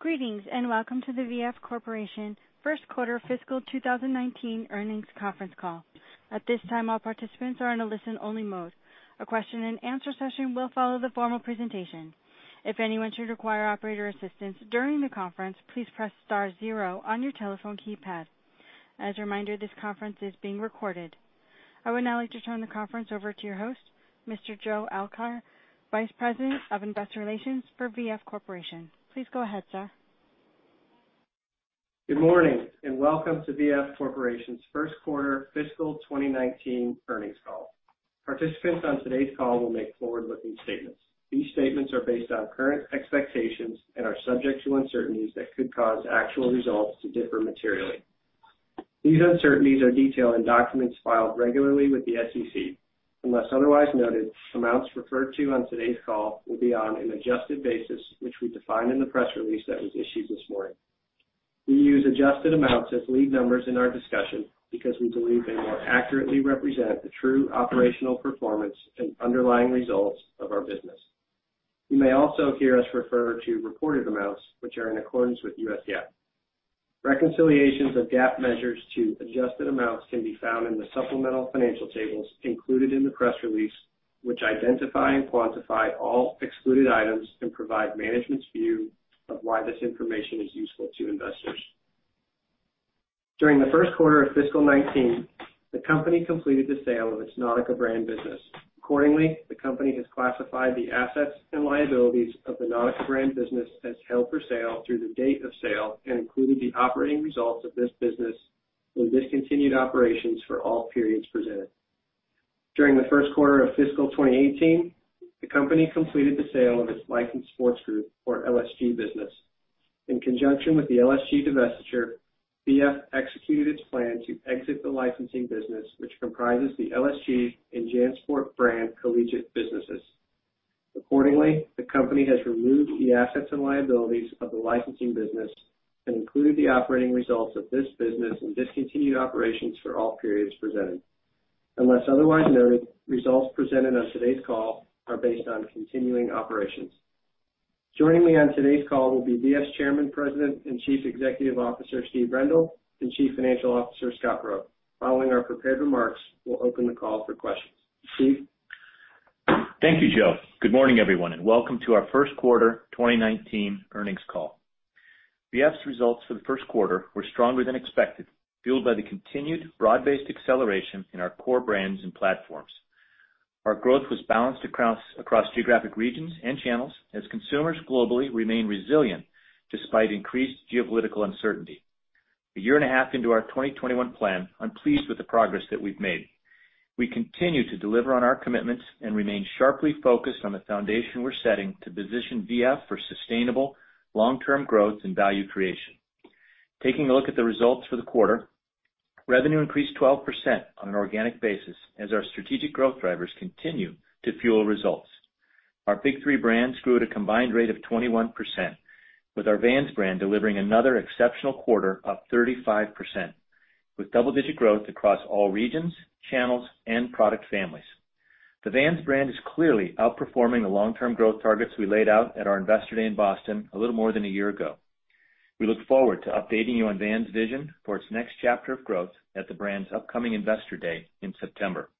Greetings, welcome to the VF Corporation first quarter fiscal 2019 earnings conference call. At this time, all participants are in a listen-only mode. A question and answer session will follow the formal presentation. If anyone should require operator assistance during the conference, please press star zero on your telephone keypad. As a reminder, this conference is being recorded. I would now like to turn the conference over to your host, Mr. Joe Alkire, Vice President of Investor Relations for VF Corporation. Please go ahead, sir. Good morning, welcome to VF Corporation's first quarter fiscal 2019 earnings call. Participants on today's call will make forward-looking statements. These statements are based on current expectations and are subject to uncertainties that could cause actual results to differ materially. These uncertainties are detailed in documents filed regularly with the SEC. Unless otherwise noted, amounts referred to on today's call will be on an adjusted basis, which we define in the press release that was issued this morning. We use adjusted amounts as lead numbers in our discussion because we believe they more accurately represent the true operational performance and underlying results of our business. You may also hear us refer to reported amounts, which are in accordance with U.S. GAAP. Reconciliations of GAAP measures to adjusted amounts can be found in the supplemental financial tables included in the press release, which identify and quantify all excluded items and provide management's view of why this information is useful to investors. During the first quarter of fiscal 2019, the company completed the sale of its Nautica brand business. Accordingly, the company has classified the assets and liabilities of the Nautica brand business as held for sale through the date of sale and included the operating results of this business with discontinued operations for all periods presented. During the first quarter of fiscal 2018, the company completed the sale of its Licensed Sports Group, or LSG business. In conjunction with the LSG divestiture, VF executed its plan to exit the licensing business, which comprises the LSG and JanSport brand collegiate businesses. Accordingly, the company has removed the assets and liabilities of the licensing business and included the operating results of this business in discontinued operations for all periods presented. Unless otherwise noted, results presented on today's call are based on continuing operations. Joining me on today's call will be VF's Chairman, President, and Chief Executive Officer, Steve Rendle, and Chief Financial Officer, Scott Roe. Following our prepared remarks, we'll open the call for questions. Steve. Thank you, Joe. Good morning, everyone, and welcome to our first quarter 2019 earnings call. VF's results for the first quarter were stronger than expected, fueled by the continued broad-based acceleration in our core brands and platforms. Our growth was balanced across geographic regions and channels as consumers globally remain resilient despite increased geopolitical uncertainty. A year and a half into our 2021 plan, I'm pleased with the progress that we've made. We continue to deliver on our commitments and remain sharply focused on the foundation we're setting to position VF for sustainable long-term growth and value creation. Taking a look at the results for the quarter, revenue increased 12% on an organic basis as our strategic growth drivers continue to fuel results. Our big three brands grew at a combined rate of 21%, with our Vans brand delivering another exceptional quarter, up 35%, with double-digit growth across all regions, channels, and product families. The Vans brand is clearly outperforming the long-term growth targets we laid out at our Investor Day in Boston a little more than a year ago. We look forward to updating you on Vans' vision for its next chapter of growth at the brand's upcoming Investor Day in September.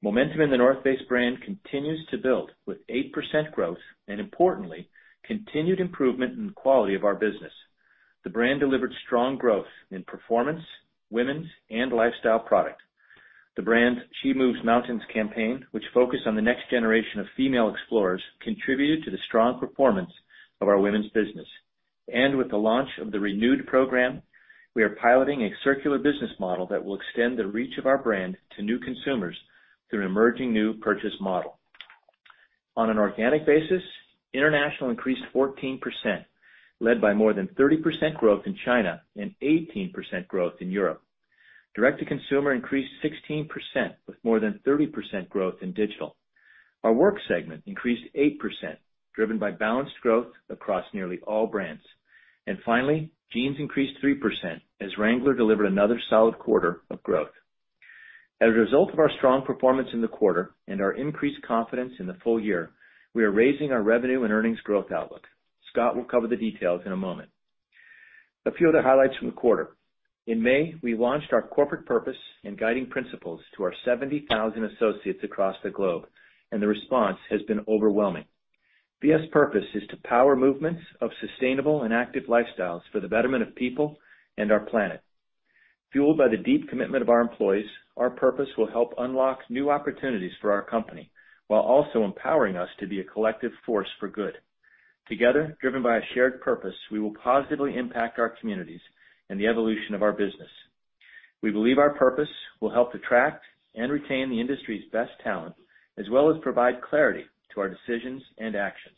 Momentum in The North Face brand continues to build with 8% growth and, importantly, continued improvement in the quality of our business. The brand delivered strong growth in performance, women's, and lifestyle product. The brand's She Moves Mountains campaign, which focused on the next generation of female explorers, contributed to the strong performance of our women's business. With the launch of the Renewed program, we are piloting a circular business model that will extend the reach of our brand to new consumers through an emerging new purchase model. On an organic basis, international increased 14%, led by more than 30% growth in China and 18% growth in Europe. Direct-to-consumer increased 16%, with more than 30% growth in digital. Our work segment increased 8%, driven by balanced growth across nearly all brands. Finally, jeans increased 3% as Wrangler delivered another solid quarter of growth. As a result of our strong performance in the quarter and our increased confidence in the full year, we are raising our revenue and earnings growth outlook. Scott will cover the details in a moment. A few other highlights from the quarter. In May, we launched our corporate purpose and guiding principles to our 70,000 associates across the globe, the response has been overwhelming. VF's purpose is to power movements of sustainable and active lifestyles for the betterment of people and our planet. Fueled by the deep commitment of our employees, our purpose will help unlock new opportunities for our company while also empowering us to be a collective force for good. Together, driven by a shared purpose, we will positively impact our communities and the evolution of our business. We believe our purpose will help attract and retain the industry's best talent, as well as provide clarity to our decisions and actions.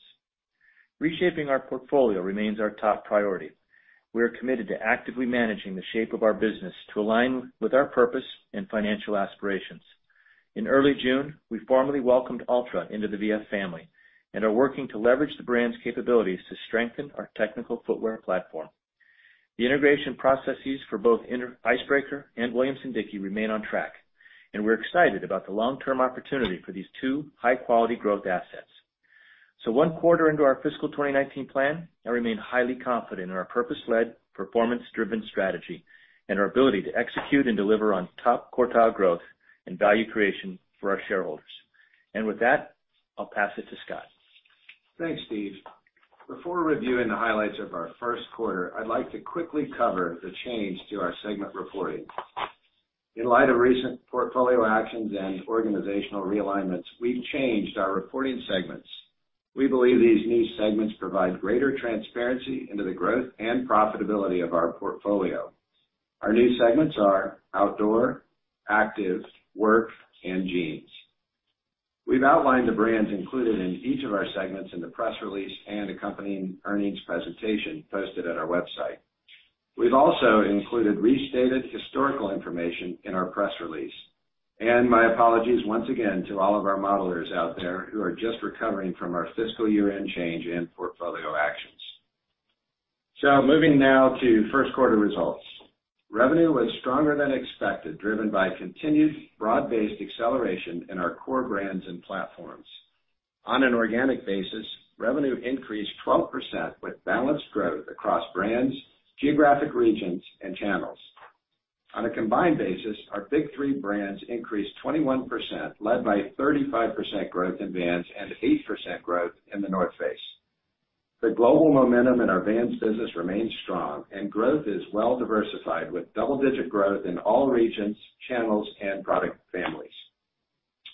Reshaping our portfolio remains our top priority. We are committed to actively managing the shape of our business to align with our purpose and financial aspirations. In early June, we formally welcomed Altra into the VF family and are working to leverage the brand's capabilities to strengthen our technical footwear platform. The integration processes for both Icebreaker and Williamson-Dickie remain on track, and we're excited about the long-term opportunity for these two high-quality growth assets. One quarter into our fiscal 2019 plan, I remain highly confident in our purpose-led, performance-driven strategy and our ability to execute and deliver on top quartile growth and value creation for our shareholders. With that, I'll pass it to Scott. Thanks, Steve. Before reviewing the highlights of our first quarter, I'd like to quickly cover the change to our segment reporting. In light of recent portfolio actions and organizational realignments, we've changed our reporting segments. We believe these new segments provide greater transparency into the growth and profitability of our portfolio. Our new segments are Outdoor, Active, Work, and Jeans. We've outlined the brands included in each of our segments in the press release and accompanying earnings presentation posted on our website. We've also included restated historical information in our press release. My apologies once again to all of our modelers out there who are just recovering from our fiscal year-end change and portfolio actions. Moving now to first quarter results. Revenue was stronger than expected, driven by continued broad-based acceleration in our core brands and platforms. On an organic basis, revenue increased 12% with balanced growth across brands, geographic regions, and channels. On a combined basis, our big three brands increased 21%, led by 35% growth in Vans and 8% growth in The North Face. The global momentum in our Vans business remains strong and growth is well diversified with double-digit growth in all regions, channels, and product families.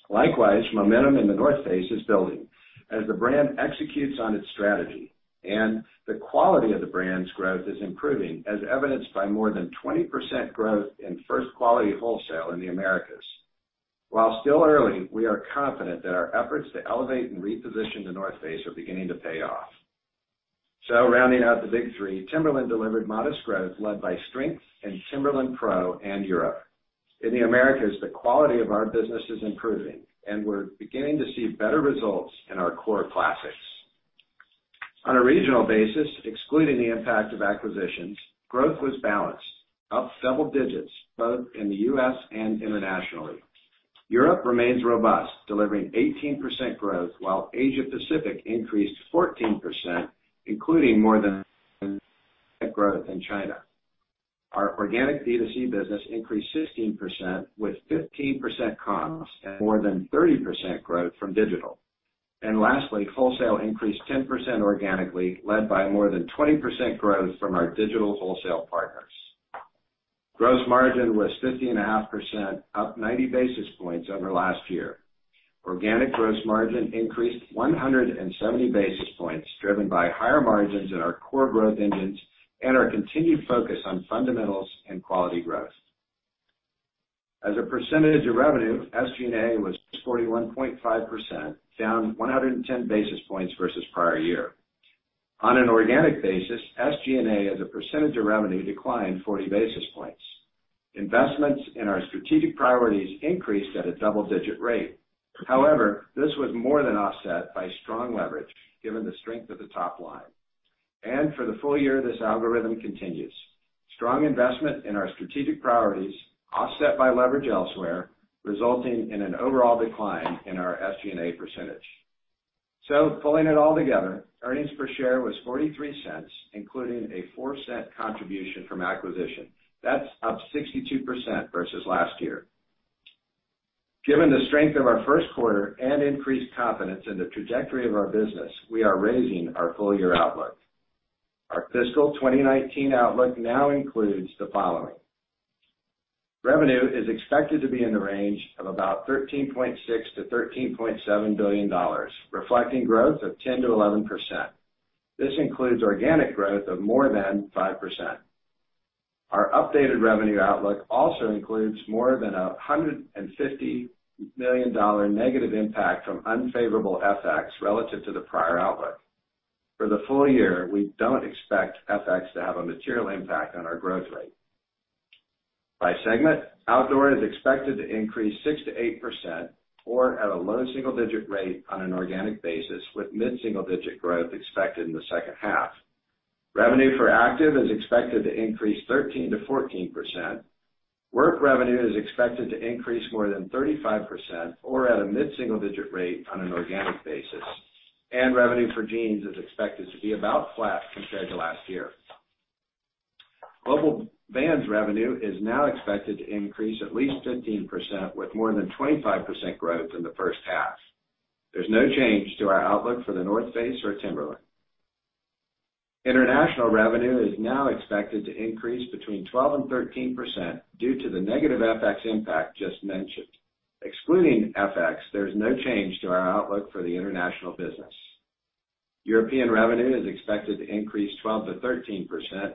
Likewise, momentum in The North Face is building as the brand executes on its strategy and the quality of the brand's growth is improving, as evidenced by more than 20% growth in first quality wholesale in the Americas. While still early, we are confident that our efforts to elevate and reposition The North Face are beginning to pay off. Rounding out the big three, Timberland delivered modest growth led by strength in Timberland PRO and Europe. In the Americas, the quality of our business is improving, and we're beginning to see better results in our core classics. On a regional basis, excluding the impact of acquisitions, growth was balanced, up several digits, both in the U.S. and internationally. Europe remains robust, delivering 18% growth, while Asia Pacific increased 14%, including more than 30% growth in China. Our organic D2C business increased 16% with 15% comps and more than 30% growth from digital. Lastly, wholesale increased 10% organically, led by more than 20% growth from our digital wholesale partners. Gross margin was 50.5%, up 90 basis points over last year. Organic gross margin increased 170 basis points, driven by higher margins in our core growth engines and our continued focus on fundamentals and quality growth. As a percentage of revenue, SG&A was 41.5%, down 110 basis points versus prior year. On an organic basis, SG&A as a percentage of revenue declined 40 basis points. Investments in our strategic priorities increased at a double-digit rate. This was more than offset by strong leverage given the strength of the top line. For the full year, this algorithm continues. Strong investment in our strategic priorities offset by leverage elsewhere, resulting in an overall decline in our SG&A percentage. Pulling it all together, earnings per share was $0.43, including a $0.04 contribution from acquisition. That's up 62% versus last year. Given the strength of our first quarter and increased confidence in the trajectory of our business, we are raising our full-year outlook. Our fiscal 2019 outlook now includes the following. Revenue is expected to be in the range of about $13.6 billion-$13.7 billion, reflecting growth of 10%-11%. This includes organic growth of more than 5%. Our updated revenue outlook also includes more than $150 million negative impact from unfavorable FX relative to the prior outlook. For the full year, we don't expect FX to have a material impact on our growth rate. By segment, outdoor is expected to increase 6%-8% or at a low double-digit rate on an organic basis, with mid-single-digit growth expected in the second half. Revenue for active is expected to increase 13%-14%. Work revenue is expected to increase more than 35% or at a mid-single-digit rate on an organic basis. Revenue for jeans is expected to be about flat compared to last year. Global Vans revenue is now expected to increase at least 15%, with more than 25% growth in the first half. There's no change to our outlook for The North Face or Timberland. International revenue is now expected to increase between 12%-13% due to the negative FX impact just mentioned. Excluding FX, there's no change to our outlook for the international business. European revenue is expected to increase 12%-13%.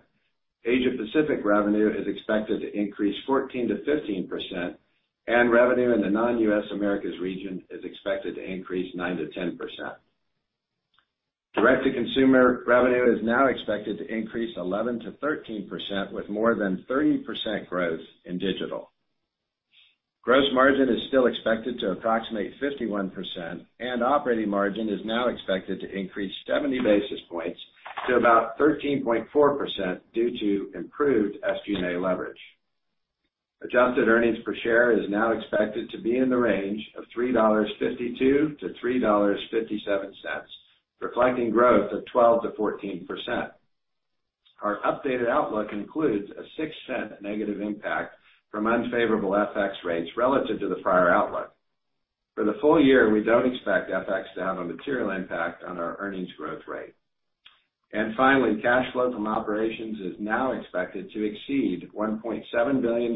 Asia Pacific revenue is expected to increase 14%-15%, and revenue in the non-U.S. Americas region is expected to increase 9%-10%. Direct-to-consumer revenue is now expected to increase 11%-13%, with more than 30% growth in digital. Gross margin is still expected to approximate 51%, and operating margin is now expected to increase 70 basis points to about 13.4% due to improved SG&A leverage. Adjusted earnings per share is now expected to be in the range of $3.52-$3.57, reflecting growth of 12%-14%. Our updated outlook includes a $0.06 negative impact from unfavorable FX rates relative to the prior outlook. For the full year, we don't expect FX to have a material impact on our earnings growth rate. Finally, cash flow from operations is now expected to exceed $1.7 billion,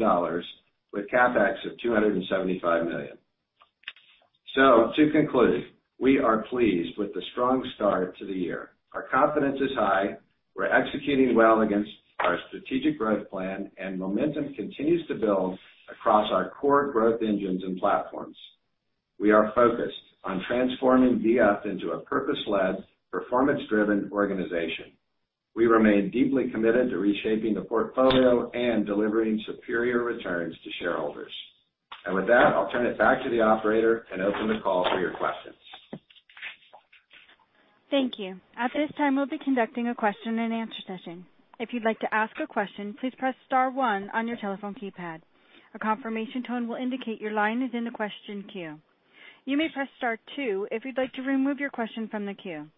with CapEx of $275 million. To conclude, we are pleased with the strong start to the year. Our confidence is high. We're executing well against our strategic growth plan, and momentum continues to build across our core growth engines and platforms. We are focused on transforming VF into a purpose-led, performance-driven organization. We remain deeply committed to reshaping the portfolio and delivering superior returns to shareholders. With that, I'll turn it back to the operator and open the call for your questions. Thank you. At this time, we'll be conducting a question and answer session. If you'd like to ask a question, please press star one on your telephone keypad. A confirmation tone will indicate your line is in the question queue. You may press star two if you'd like to remove your question from the queue.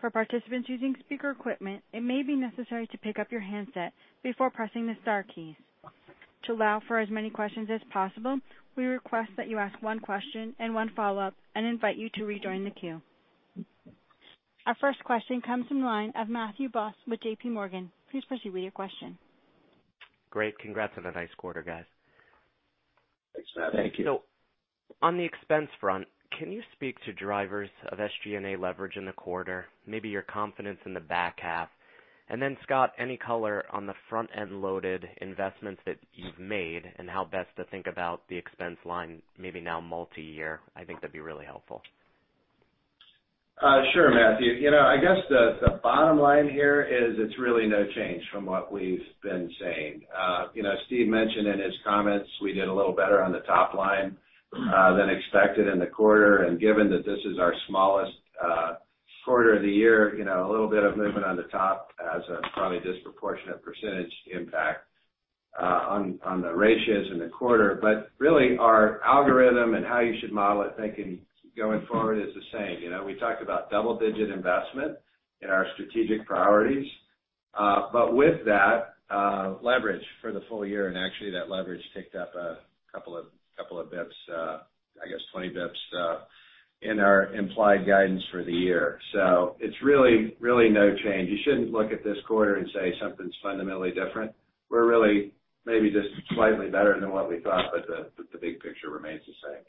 For participants using speaker equipment, it may be necessary to pick up your handset before pressing the star keys. To allow for as many questions as possible, we request that you ask one question and one follow-up, and invite you to rejoin the queue. Our first question comes from the line of Matthew Boss with JP Morgan, please proceed with your question. Great. Congrats on a nice quarter, guys. Thanks, Matt. Thank you. On the expense front, can you speak to drivers of SG&A leverage in the quarter, maybe your confidence in the back half? Scott, any color on the front-end loaded investments that you've made and how best to think about the expense line, maybe now multi-year? I think that'd be really helpful. Sure, Matthew. I guess the bottom line here is it's really no change from what we've been saying. Steve mentioned in his comments, we did a little better on the top line than expected in the quarter. Given that this is our smallest quarter of the year, a little bit of movement on the top has a probably disproportionate percentage impact on the ratios in the quarter. Really our algorithm and how you should model it thinking going forward is the same. We talked about double-digit investment in our strategic priorities. With that, leverage for the full year, and actually that leverage ticked up a couple of bips, I guess 20 bips, in our implied guidance for the year. It's really no change. You shouldn't look at this quarter and say something's fundamentally different. We're really maybe just slightly better than what we thought, the big picture remains the same.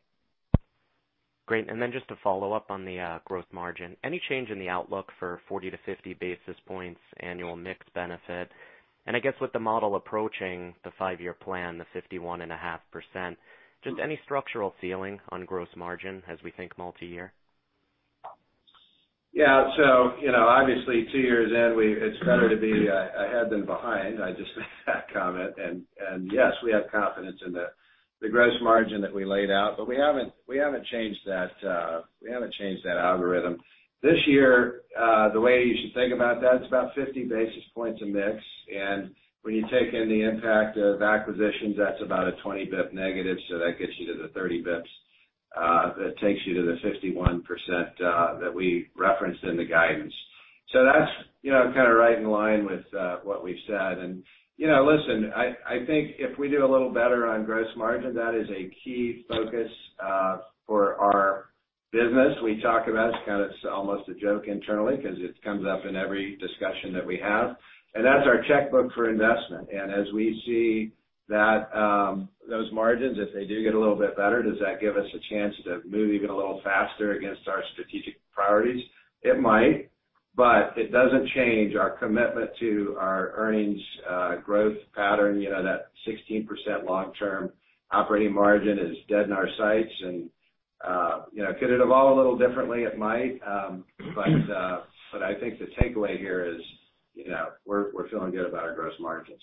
Great. Just to follow up on the gross margin, any change in the outlook for 40 to 50 basis points annual mix benefit? I guess with the model approaching the five-year plan, the 51.5%, just any structural feeling on gross margin as we think multi-year? Yeah. Obviously two years in, it's better to be ahead than behind. I just make that comment. Yes, we have confidence in the gross margin that we laid out, but we haven't changed that algorithm. This year, the way you should think about that, it's about 50 basis points of mix, when you take in the impact of acquisitions, that's about a 20 bip negative, that gets you to the 30 bips. That takes you to the 51% that we referenced in the guidance. That's kind of right in line with what we've said. Listen, I think if we do a little better on gross margin, that is a key focus for our business. We talk about, it's kind of almost a joke internally because it comes up in every discussion that we have, and that's our checkbook for investment. As we see those margins, if they do get a little bit better, does that give us a chance to move even a little faster against our strategic priorities? It might, but it doesn't change our commitment to our earnings growth pattern. That 16% long-term operating margin is dead in our sights, could it evolve a little differently? It might. I think the takeaway here is, we're feeling good about our gross margins.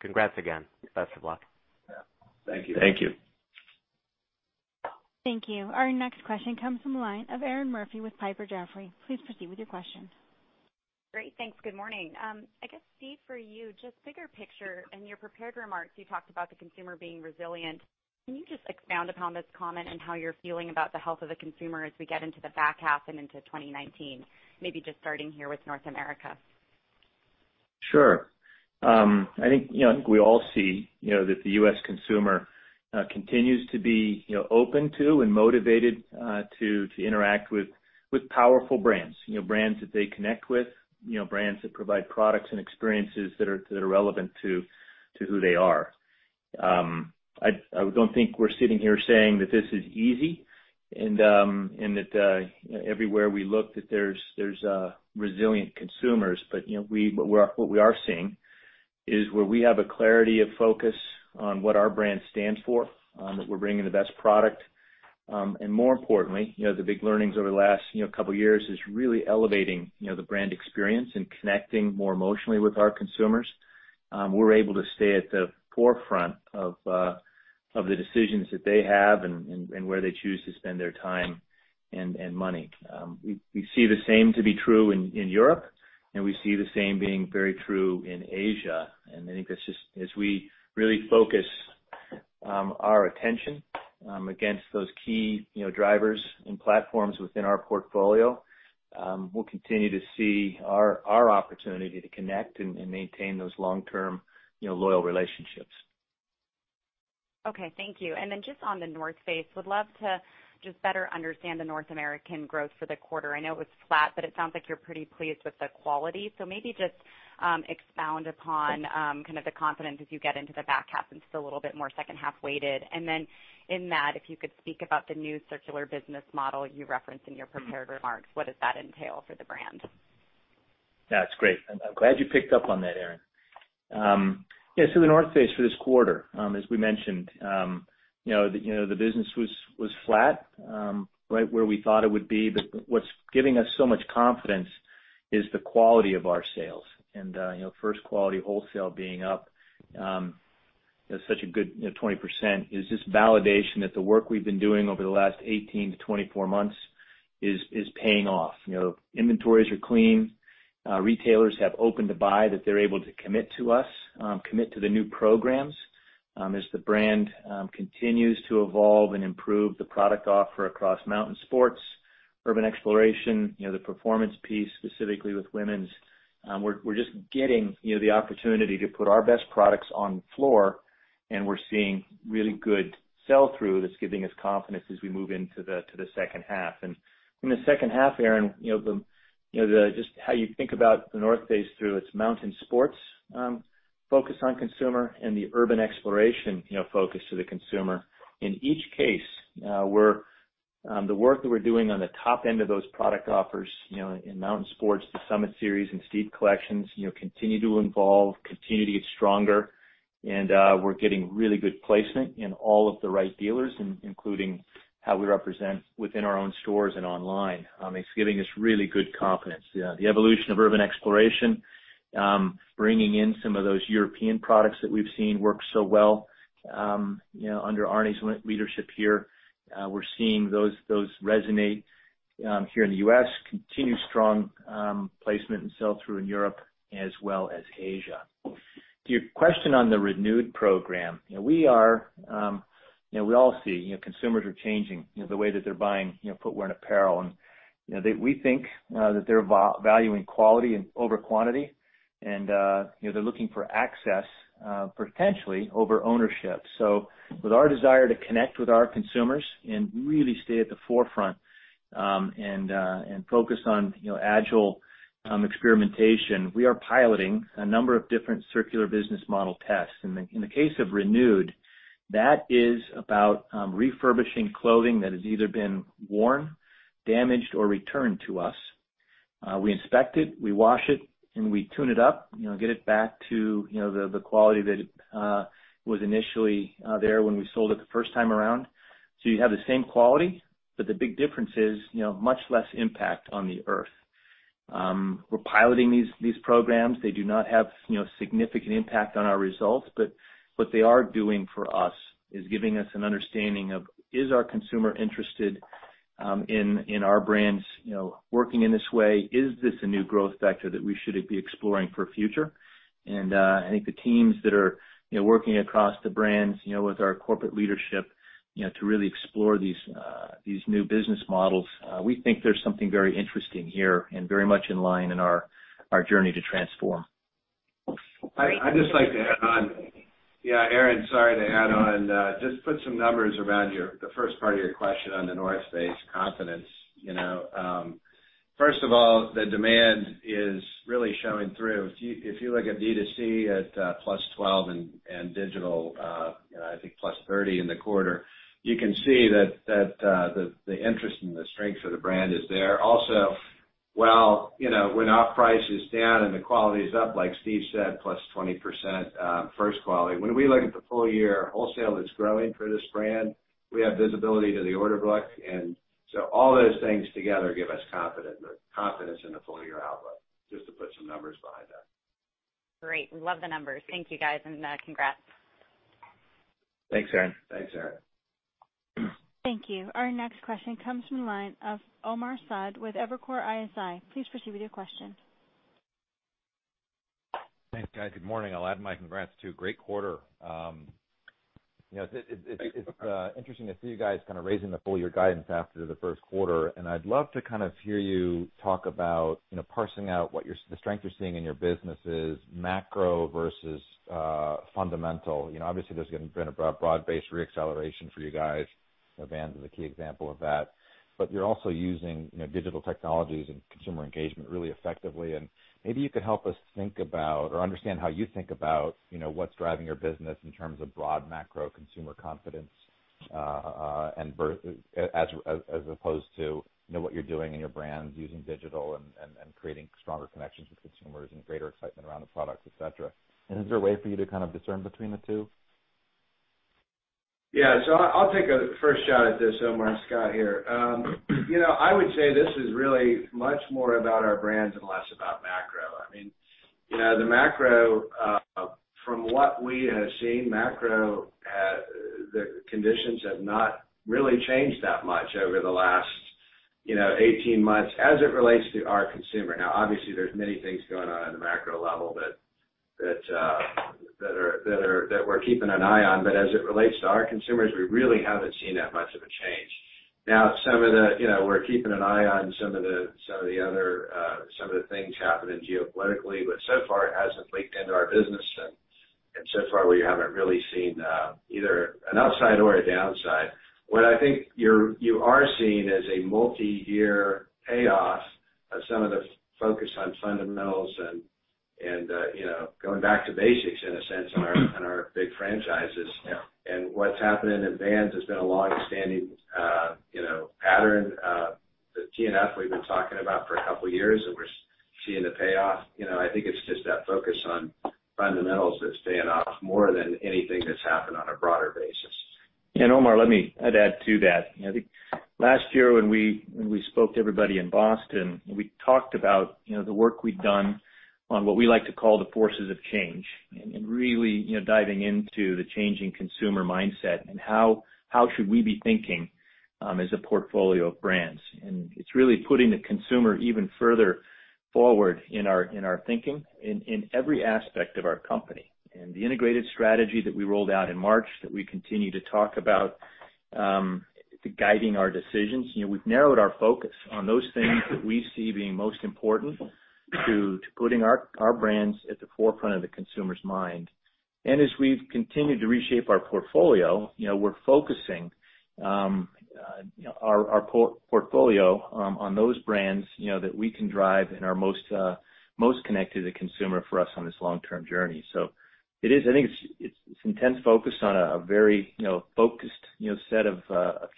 Congrats again. Best of luck. Yeah. Thank you. Thank you. Thank you. Our next question comes from the line of Erinn Murphy with Piper Jaffray. Please proceed with your question. Great. Thanks. Good morning. I guess Steve, for you, just bigger picture. In your prepared remarks, you talked about the consumer being resilient. Can you just expound upon this comment and how you're feeling about the health of the consumer as we get into the back half and into 2019? Maybe just starting here with North America. Sure. I think we all see that the U.S. consumer continues to be open to and motivated to interact with powerful brands. Brands that they connect with. Brands that provide products and experiences that are relevant to who they are. I don't think we're sitting here saying that this is easy and that everywhere we look, that there's resilient consumers. But what we are seeing is where we have a clarity of focus on what our brand stands for, that we're bringing the best product. More importantly, the big learnings over the last couple years is really elevating the brand experience and connecting more emotionally with our consumers. We're able to stay at the forefront of the decisions that they have and where they choose to spend their time and money. We see the same to be true in Europe, we see the same being very true in Asia. I think as we really focus our attention against those key drivers and platforms within our portfolio, we'll continue to see our opportunity to connect and maintain those long-term loyal relationships. Okay. Thank you. Just on The North Face, would love to just better understand the North American growth for the quarter. I know it was flat, but it sounds like you're pretty pleased with the quality. Maybe just expound upon kind of the confidence as you get into the back half and just a little bit more second-half weighted. In that, if you could speak about the new circular business model you referenced in your prepared remarks, what does that entail for the brand? Yeah, that's great. I'm glad you picked up on that, Erinn. Yeah. The North Face for this quarter, as we mentioned, the business was flat, right where we thought it would be. What's giving us so much confidence is the quality of our sales. First quality wholesale being up such a good 20% is just validation that the work we've been doing over the last 18-24 months is paying off. Inventories are clean. Retailers have open to buy that they're able to commit to us, commit to the new programs. As the brand continues to evolve and improve the product offer across mountain sports, Urban Exploration, the performance piece, specifically with women's. We're just getting the opportunity to put our best products on the floor, and we're seeing really good sell-through that's giving us confidence as we move into the second half. In the second half, Erinn, just how you think about The North Face through its mountain sports focus on consumer and the Urban Exploration focus to the consumer. In each case, the work that we're doing on the top end of those product offers in mountain sports, the Summit Series and Steep Series collections continue to evolve, continue to get stronger. We're getting really good placement in all of the right dealers, including how we represent within our own stores and online. It's giving us really good confidence. The evolution of Urban Exploration, bringing in some of those European products that we've seen work so well under Arne's leadership here. We're seeing those resonate here in the U.S., continue strong placement and sell-through in Europe as well as Asia. To your question on the Renewed program, we all see consumers are changing the way that they're buying footwear and apparel, and we think that they're valuing quality over quantity, and they're looking for access potentially over ownership. With our desire to connect with our consumers and really stay at the forefront and focus on agile experimentation, we are piloting a number of different circular business model tests. In the case of Renewed, that is about refurbishing clothing that has either been worn, damaged, or returned to us. We inspect it, we wash it, and we tune it up, get it back to the quality that was initially there when we sold it the first time around. You have the same quality, but the big difference is much less impact on the Earth. We're piloting these programs. They do not have significant impact on our results. What they are doing for us is giving us an understanding of, is our consumer interested in our brands working in this way? Is this a new growth vector that we should be exploring for future? I think the teams that are working across the brands with our corporate leadership to really explore these new business models, we think there's something very interesting here and very much in line in our journey to transform. Great. I'd just like to add on. Yeah, Erinn, sorry to add on. Just put some numbers around the first part of your question on The North Face confidence. First of all, the demand is really showing through. If you look at D2C at +12% and digital, I think +30% in the quarter, you can see that the interest and the strength of the brand is there. Also, when our price is down and the quality is up, like Steve said, +20% first quality. When we look at the full year wholesale that's growing for this brand, we have visibility to the order book. All those things together give us confidence in the full year outlook, just to put some numbers behind that. Great. Love the numbers. Thank you, guys, and congrats. Thanks, Erinn. Thanks, Erinn. Thank you. Our next question comes from the line of Omar Saad with Evercore ISI. Please proceed with your question. Thanks, guys. Good morning. I'll add my congrats, too. Great quarter. Thanks. It's interesting to see you guys kind of raising the full year guidance after the first quarter. I'd love to kind of hear you talk about parsing out what the strength you're seeing in your business is macro versus fundamental. Obviously, there's been a broad-based re-acceleration for you guys. Vans is a key example of that. You're also using digital technologies and consumer engagement really effectively, and maybe you could help us think about or understand how you think about what's driving your business in terms of broad macro consumer confidence as opposed to what you're doing in your brands using digital and creating stronger connections with consumers and greater excitement around the products, et cetera. Is there a way for you to kind of discern between the two? Yeah. I'll take a first shot at this, Omar. Scott here. I would say this is really much more about our brands and less about macro. From what we have seen, macro, the conditions have not really changed that much over the last 18 months as it relates to our consumer. Obviously, there's many things going on in the macro level that we're keeping an eye on, but as it relates to our consumers, we really haven't seen that much of a change. We're keeping an eye on some of the things happening geopolitically, but so far, it hasn't leaked into our business, and so far, we haven't really seen either an upside or a downside. What I think you are seeing is a multi-year payoff of some of the focus on fundamentals and going back to basics, in a sense, in our big franchises. Yeah. What's happening in Vans has been a longstanding pattern. The TNF, we've been talking about for a couple of years, we're seeing the payoff. I think it's just that focus on fundamentals that's paying off more than anything that's happened on a broader basis. Omar, let me add to that. I think last year, when we spoke to everybody in Boston, we talked about the work we'd done on what we like to call the forces of change, really diving into the changing consumer mindset and how should we be thinking as a portfolio of brands. It's really putting the consumer even further forward in our thinking in every aspect of our company. The integrated strategy that we rolled out in March that we continue to talk about, guiding our decisions. We've narrowed our focus on those things that we see being most important to putting our brands at the forefront of the consumer's mind. As we've continued to reshape our portfolio, we're focusing our portfolio on those brands that we can drive and are most connected to the consumer for us on this long-term journey. I think it's intense focus on a very focused set of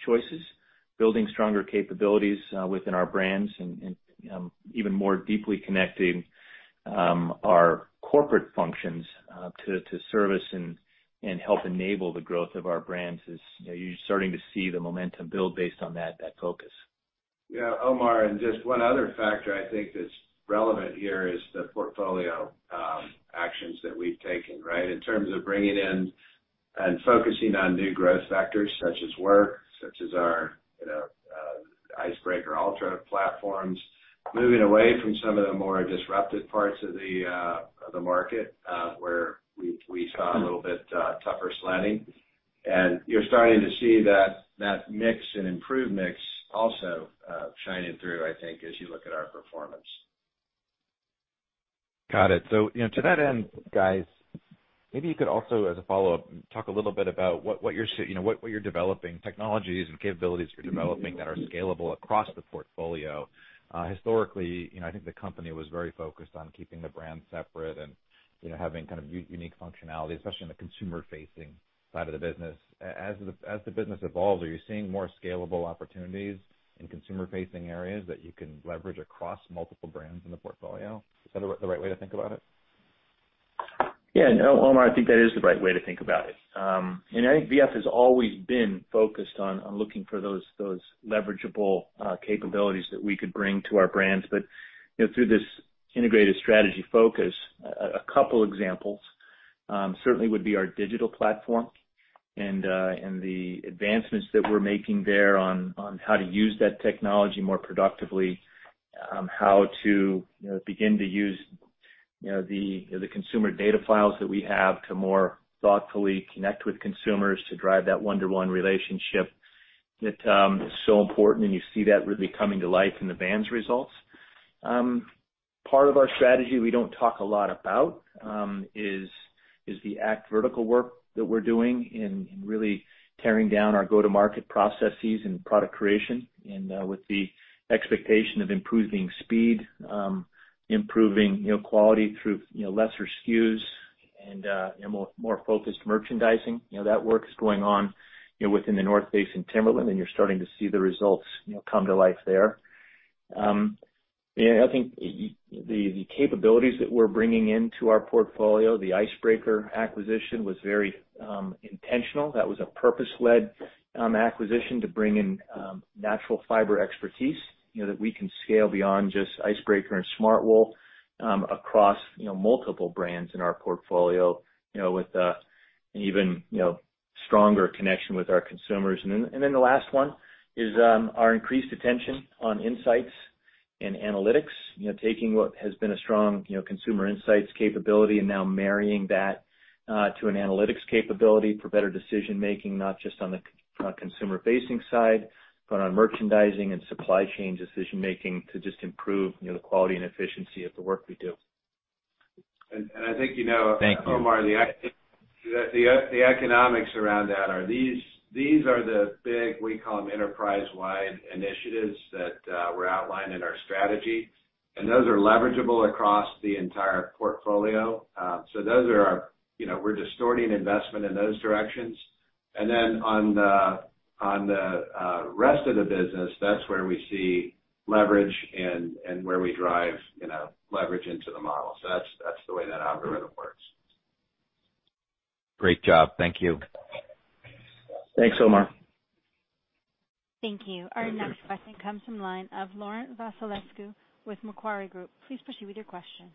choices, building stronger capabilities within our brands, and even more deeply connecting our corporate functions to service and help enable the growth of our brands as you're starting to see the momentum build based on that focus. Yeah. Omar, just one other factor I think that's relevant here is the portfolio actions that we've taken. In terms of bringing in and focusing on new growth vectors, such as work, such as our Icebreaker Altra platforms. Moving away from some of the more disruptive parts of the market, where we saw a little bit tougher sledding. You're starting to see that mix and improved mix also shining through, I think, as you look at our performance. Got it. To that end, guys, maybe you could also, as a follow-up, talk a little bit about what you're developing, technologies and capabilities you're developing that are scalable across the portfolio. Historically, I think the company was very focused on keeping the brands separate and having kind of unique functionality, especially on the consumer-facing side of the business. As the business evolves, are you seeing more scalable opportunities in consumer-facing areas that you can leverage across multiple brands in the portfolio? Is that the right way to think about it? Yeah. No, Omar, I think that is the right way to think about it. I think V.F. has always been focused on looking for those leverageable capabilities that we could bring to our brands. Through this integrated strategy focus, a couple examples certainly would be our digital platform and the advancements that we're making there on how to use that technology more productively, how to begin to use the consumer data files that we have to more thoughtfully connect with consumers to drive that one-to-one relationship that is so important, and you see that really coming to life in the Vans results. Part of our strategy we don't talk a lot about is the act vertical work that we're doing in really tearing down our go-to-market processes and product creation, and with the expectation of improving speed, improving quality through lesser SKUs and more focused merchandising. That work is going on within The North Face and Timberland, you're starting to see the results come to life there. I think the capabilities that we're bringing into our portfolio, the Icebreaker acquisition was very intentional. That was a purpose-led acquisition to bring in natural fiber expertise that we can scale beyond just Icebreaker and Smartwool across multiple brands in our portfolio with an even stronger connection with our consumers. The last one is our increased attention on insights and analytics. Taking what has been a strong consumer insights capability and now marrying that to an analytics capability for better decision-making, not just on the consumer-facing side, but on merchandising and supply chain decision-making to just improve the quality and efficiency of the work we do. I think. Thank you. Omar, the economics around that are these are the big, we call them enterprise-wide initiatives that were outlined in our strategy, those are leverageable across the entire portfolio. We're distorting investment in those directions. On the rest of the business, that's where we see leverage and where we drive leverage into the model. That's the way that algorithm works. Great job. Thank you. Thanks, Omar. Thank you. Our next question comes from the line of Laurent Vasilescu with Macquarie Group. Please proceed with your question.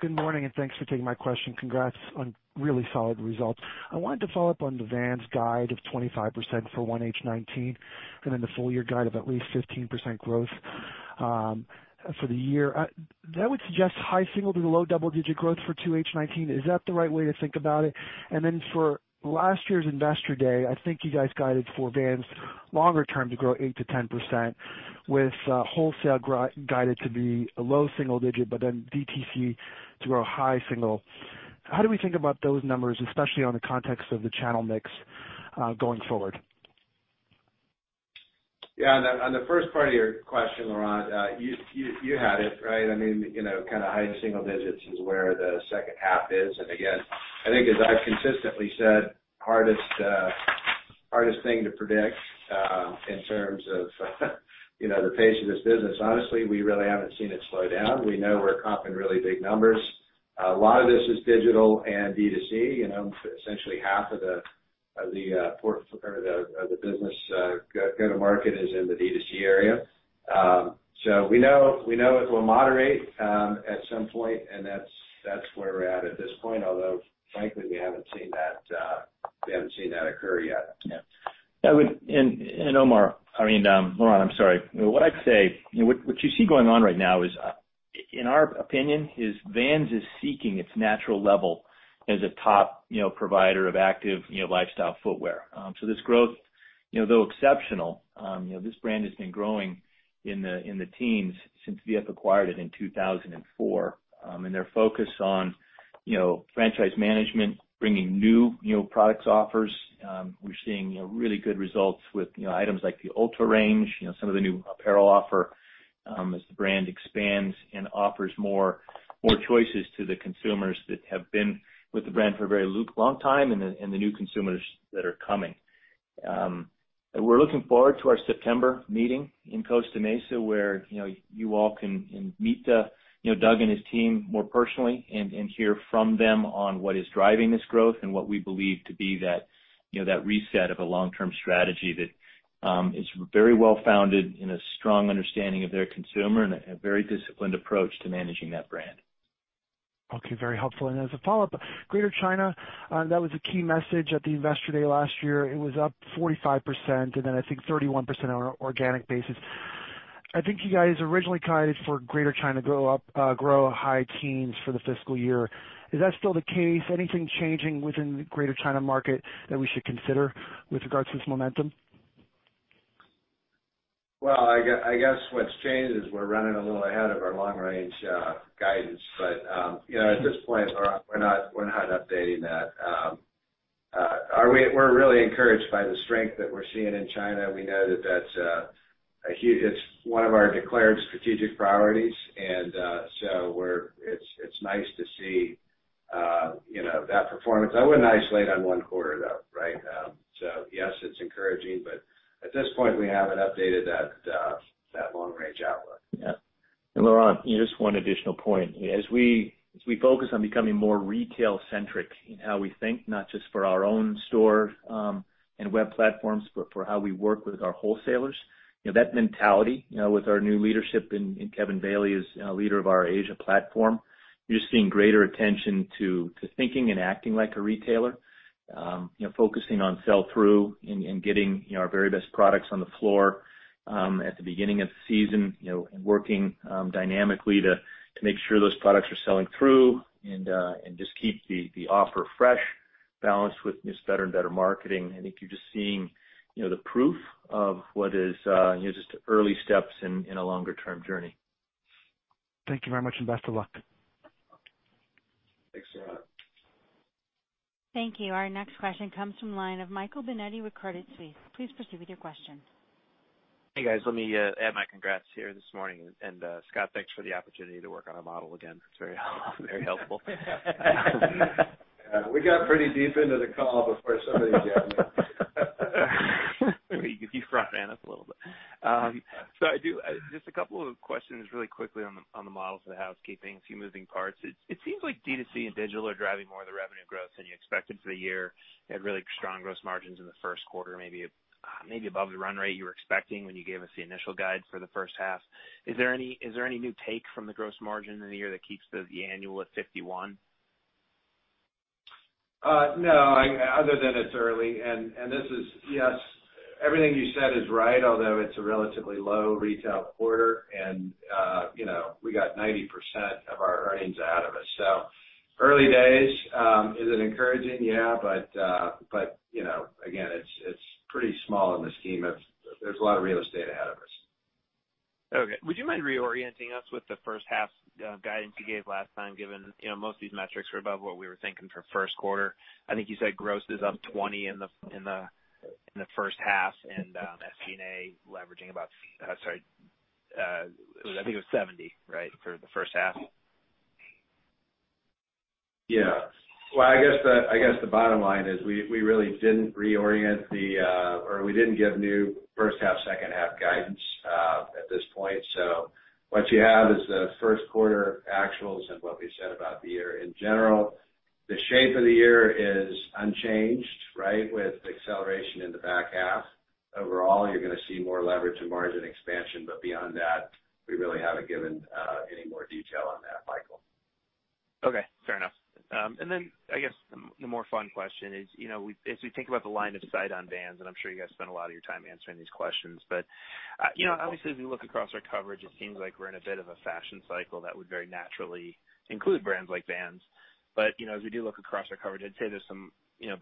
Good morning. Thanks for taking my question. Congrats on really solid results. I wanted to follow up on the Vans guide of 25% for 1H 2019, and then the full year guide of at least 15% growth for the year. That would suggest high single to low double-digit growth for 2H 2019. Is that the right way to think about it? For last year's Investor Day, I think you guys guided for Vans longer term to grow 8%-10% with wholesale guided to be a low single digit, but then D2C to grow high single. How do we think about those numbers, especially on the context of the channel mix, going forward? Yeah. On the first part of your question, Laurent, you had it. High single digits is where the second half is. Again, I think as I've consistently said, hardest thing to predict in terms of the pace of this business. Honestly, we really haven't seen it slow down. We know we're comping really big numbers. A lot of this is digital and D2C. Essentially, half of the business go-to-market is in the D2C area. We know it will moderate at some point, and that's where we're at at this point, although frankly, we haven't seen that occur yet. Yeah. Omar, Laurent, I'm sorry. What I'd say, what you see going on right now is, in our opinion, is Vans is seeking its natural level as a top provider of active lifestyle footwear. This growth, though exceptional, this brand has been growing in the teens since VF acquired it in 2004. They're focused on franchise management, bringing new products offers. We're seeing really good results with items like the UltraRange, some of the new apparel offer, as the brand expands and offers more choices to the consumers that have been with the brand for a very long time and the new consumers that are coming. We're looking forward to our September meeting in Costa Mesa, where you all can meet Doug and his team more personally and hear from them on what is driving this growth and what we believe to be that reset of a long-term strategy that is very well founded in a strong understanding of their consumer and a very disciplined approach to managing that brand. Very helpful. As a follow-up, Greater China, that was a key message at the Investor Day last year. It was up 45%, then I think 31% on an organic basis. I think you guys originally guided for Greater China to grow high teens for the fiscal year. Is that still the case? Anything changing within the Greater China market that we should consider with regards to this momentum? Well, I guess what's changed is we're running a little ahead of our long-range guidance. At this point, Laurent, we're not updating that. We're really encouraged by the strength that we're seeing in China. We know that it's one of our declared strategic priorities, and so it's nice to see that performance. I wouldn't isolate on one quarter, though. Yes, it's encouraging, but at this point, we haven't updated that long-range outlook. Yeah. Laurent, just one additional point. As we focus on becoming more retail centric in how we think, not just for our own store and web platforms, but for how we work with our wholesalers. That mentality, with our new leadership in Kevin Bailey as leader of our Asia platform, you're just seeing greater attention to thinking and acting like a retailer. Focusing on sell through and getting our very best products on the floor at the beginning of the season, and working dynamically to make sure those products are selling through and just keep the offer fresh, balanced with just better and better marketing. I think you're just seeing the proof of what is just early steps in a longer-term journey. Thank you very much, and best of luck. Thanks, Laurent. Thank you. Our next question comes from the line of Michael Binetti with Credit Suisse. Please proceed with your question. Hey, guys. Let me add my congrats here this morning. Scott, thanks for the opportunity to work on our model again. It's very helpful. We got pretty deep into the call before somebody gathered. You front end us a little bit. Just a couple of questions really quickly on the models and the housekeeping. A few moving parts. It seems like D2C and digital are driving more of the revenue growth than you expected for the year. You had really strong gross margins in the first quarter, maybe above the run rate you were expecting when you gave us the initial guide for the first half. Is there any new take from the gross margin in the year that keeps the annual at 51? No, other than it's early. Yes, everything you said is right, although it's a relatively low retail quarter, and we got 90% of our earnings out of it. Early days. Is it encouraging? Yeah. Again, it's pretty small in the scheme of there's a lot of real estate ahead of us. Okay. Would you mind reorienting us with the first half guidance you gave last time, given most of these metrics were above what we were thinking for first quarter? I think you said gross is up 20 in the first half, SG&A leveraging about, I think it was 70 for the first half. Yeah. Well, I guess the bottom line is we really didn't reorient or we didn't give new first half, second half guidance at this point. What you have is the first quarter actuals and what we said about the year in general. The shape of the year is unchanged. With acceleration in the back half. Overall, you're going to see more leverage and margin expansion. Beyond that, we really haven't given any more detail on that, Michael. Okay. Fair enough. I guess the more fun question is, as we think about the line of sight on Vans, I'm sure you guys spend a lot of your time answering these questions, obviously, as we look across our coverage, it seems like we're in a bit of a fashion cycle that would very naturally include brands like Vans. As we do look across our coverage, I'd say there's some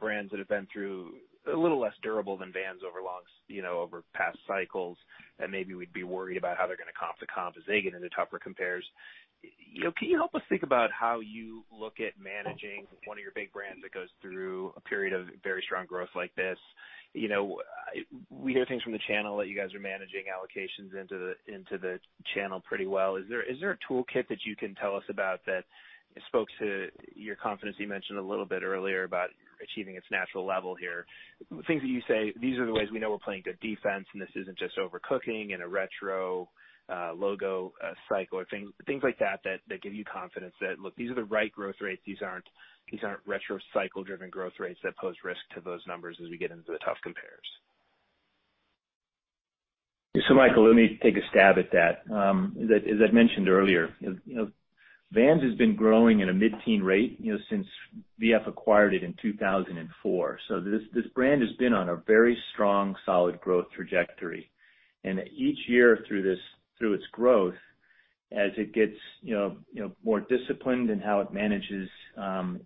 brands that have been through a little less durable than Vans over past cycles that maybe we'd be worried about how they're going to comp to comp as they get into tougher compares. Can you help us think about how you look at managing one of your big brands that goes through a period of very strong growth like this? We hear things from the channel that you guys are managing allocations into the channel pretty well. Is there a toolkit that you can tell us about that spoke to your confidence? You mentioned a little bit earlier about achieving its natural level here. Things that you say, these are the ways we know we're playing good defense, and this isn't just overcooking in a retro logo cycle or things like that give you confidence that, look, these are the right growth rates. These aren't retro cycle-driven growth rates that pose risk to those numbers as we get into the tough compares. Michael, let me take a stab at that. As I mentioned earlier, Vans has been growing at a mid-teen rate since VF acquired it in 2004. This brand has been on a very strong, solid growth trajectory. Each year through its growth, as it gets more disciplined in how it manages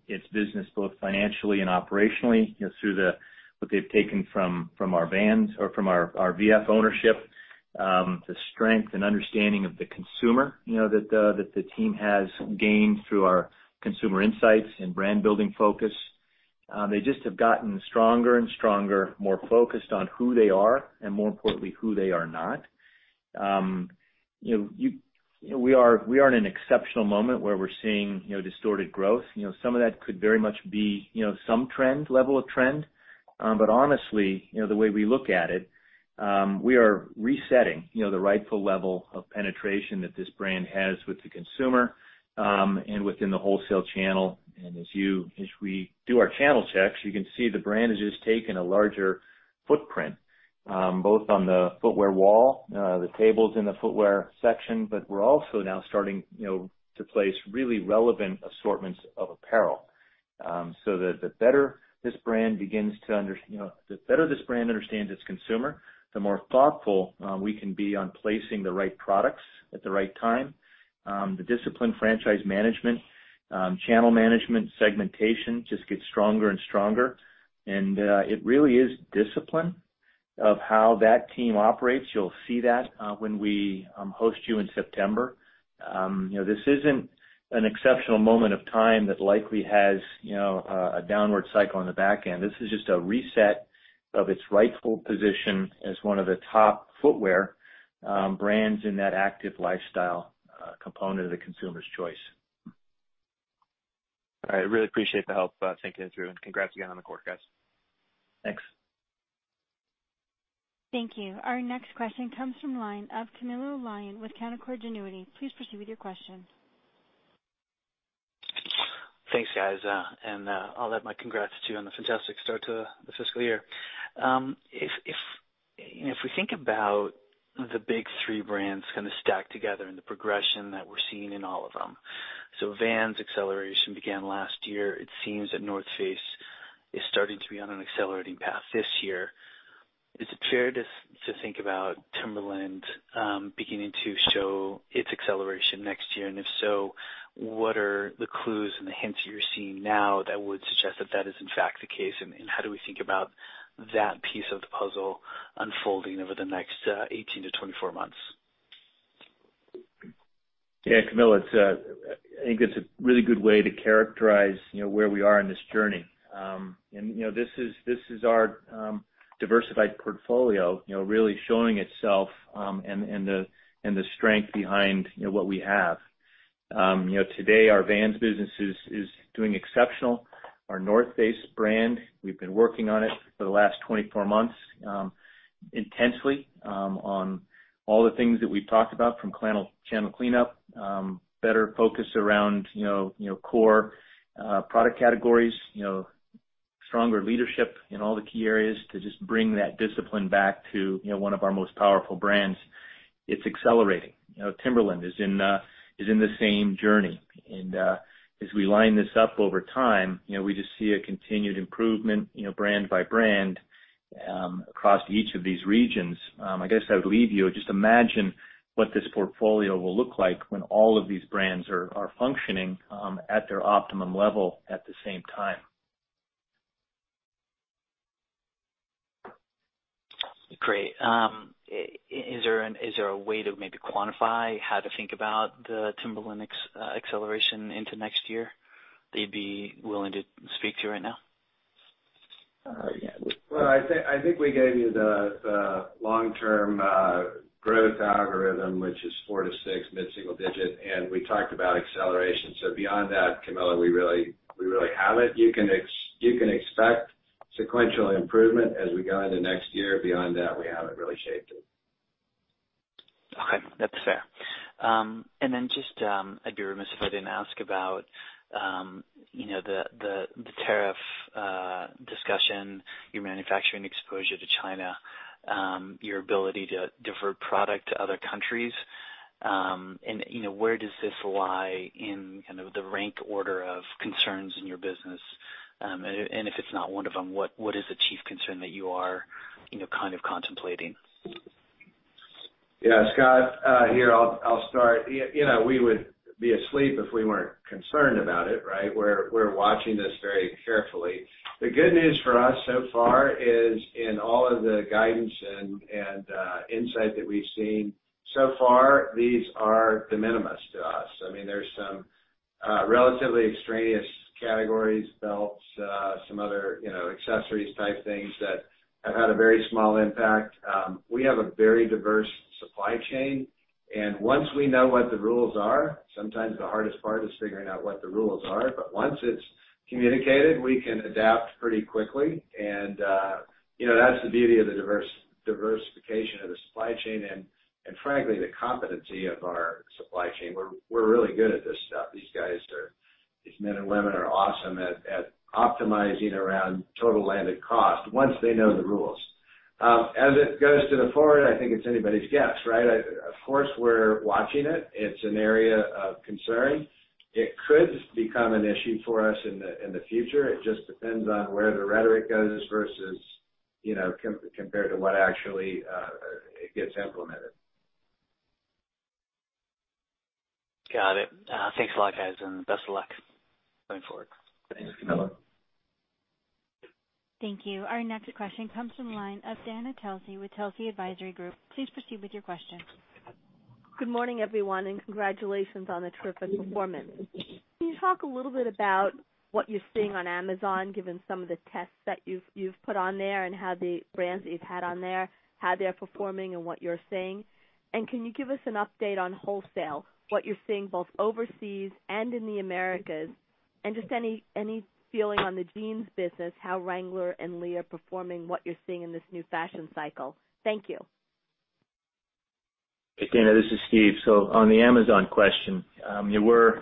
its business, both financially and operationally, through what they've taken from our Vans or from our VF ownership, the strength and understanding of the consumer that the team has gained through our consumer insights and brand-building focus. They just have gotten stronger and stronger, more focused on who they are and, more importantly, who they are not. We are in an exceptional moment where we're seeing distorted growth. Some of that could very much be some level of trend. Honestly, the way we look at it, we are resetting the rightful level of penetration that this brand has with the consumer and within the wholesale channel. As we do our channel checks, you can see the brand has just taken a larger footprint, both on the footwear wall, the tables in the footwear section. We're also now starting to place really relevant assortments of apparel. The better this brand understands its consumer, the more thoughtful we can be on placing the right products at the right time. The disciplined franchise management, channel management, segmentation just gets stronger and stronger, and it really is discipline of how that team operates. You'll see that when we host you in September. This isn't an exceptional moment of time that likely has a downward cycle on the back end. This is just a reset of its rightful position as one of the top footwear brands in that active lifestyle component of the consumer's choice. I really appreciate the help thinking it through. Congrats again on the quarter, guys. Thanks. Thank you. Our next question comes from the line of Camilo Lyon with Canaccord Genuity. Please proceed with your question. Thanks, guys. I'll add my congrats to you on the fantastic start to the fiscal year. If we think about the big three brands kind of stacked together and the progression that we're seeing in all of them. Vans acceleration began last year. It seems that The North Face is starting to be on an accelerating path this year. Is it fair to think about Timberland beginning to show its acceleration next year? If so, what are the clues and the hints you're seeing now that would suggest that that is in fact the case? How do we think about that piece of the puzzle unfolding over the next 18 to 24 months? Camilo, I think that's a really good way to characterize where we are on this journey. This is our diversified portfolio really showing itself, and the strength behind what we have. Today, our Vans business is doing exceptional. Our The North Face brand, we've been working on it for the last 24 months intensely on all the things that we've talked about from channel cleanup, better focus around core product categories, stronger leadership in all the key areas to just bring that discipline back to one of our most powerful brands. It's accelerating. Timberland is in the same journey. As we line this up over time, we just see a continued improvement brand by brand across each of these regions. I guess I would leave you, just imagine what this portfolio will look like when all of these brands are functioning at their optimum level at the same time. Great. Is there a way to maybe quantify how to think about the Timberland acceleration into next year that you'd be willing to speak to right now? Well, I think we gave you the long-term growth algorithm, which is four to six mid-single digit, and we talked about acceleration. Beyond that, Camilo, we really haven't. You can expect sequential improvement as we go into next year. Beyond that, we haven't really shaped it. Okay, that's fair. Just, I'd be remiss if I didn't ask about the tariff discussion, your manufacturing exposure to China, your ability to divert product to other countries. Where does this lie in kind of the rank order of concerns in your business? If it's not one of them, what is the chief concern that you are kind of contemplating? Yeah. Scott, here I'll start. We would be asleep if we weren't concerned about it, right? We're watching this very carefully. The good news for us so far is in all of the guidance and insight that we've seen. So far, these are de minimis to us. There's some relatively extraneous categories, belts, some other accessories type things that have had a very small impact. We have a very diverse supply chain, once we know what the rules are, sometimes the hardest part is figuring out what the rules are. Once it's communicated, we can adapt pretty quickly. That's the beauty of the diversification of the supply chain and frankly, the competency of our supply chain. We're really good at this stuff. These men and women are awesome at optimizing around total landed cost once they know the rules. As it goes to the forward, I think it's anybody's guess, right? Of course, we're watching it. It's an area of concern. It could become an issue for us in the future. It just depends on where the rhetoric goes versus, compared to what actually gets implemented. Got it. Thanks a lot, guys, best of luck going forward. Thanks, Camilo. Thank you. Our next question comes from the line of Dana Telsey with Telsey Advisory Group. Please proceed with your question. Good morning, everyone, and congratulations on the terrific performance. Can you talk a little bit about what you're seeing on Amazon, given some of the tests that you've put on there and how the brands that you've had on there, how they're performing and what you're seeing? Can you give us an update on wholesale, what you're seeing both overseas and in the Americas? Just any feeling on the jeans business, how Wrangler and Lee are performing, what you're seeing in this new fashion cycle. Thank you. Hey, Dana, this is Steve. On the Amazon question, we're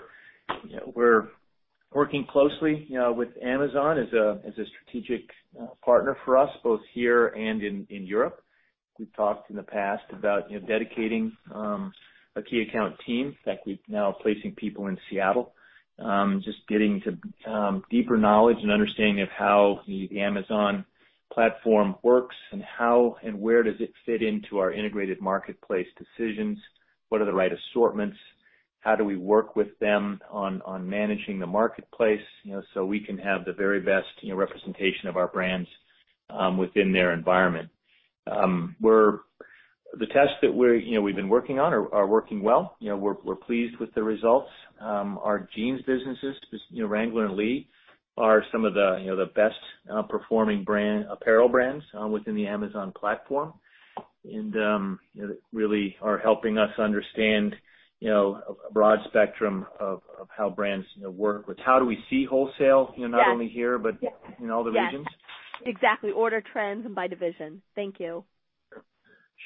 working closely with Amazon as a strategic partner for us both here and in Europe. We've talked in the past about dedicating a key account team. In fact, we're now placing people in Seattle. Just getting to deeper knowledge and understanding of how the Amazon platform works and how and where does it fit into our integrated marketplace decisions, what are the right assortments, how do we work with them on managing the marketplace, so we can have the very best representation of our brands within their environment. The tests that we've been working on are working well. We're pleased with the results. Our jeans businesses, Wrangler and Lee, are some of the best performing apparel brands within the Amazon platform. Really are helping us understand a broad spectrum of how brands work with how do we see wholesale, not only here, but in all the regions. Yes. Exactly. Order trends and by division. Thank you.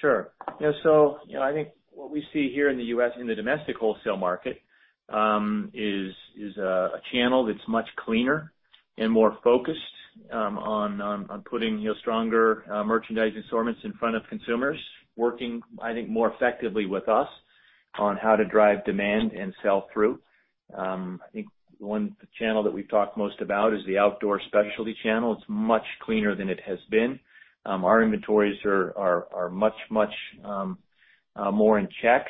Sure. I think what we see here in the U.S., in the domestic wholesale market, is a channel that's much cleaner and more focused on putting stronger merchandise assortments in front of consumers. Working, I think, more effectively with us on how to drive demand and sell through. I think one channel that we've talked most about is the outdoor specialty channel. It's much cleaner than it has been. Our inventories are much more in check